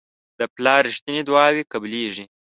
د پلار رښتیني دعاوې قبلیږي.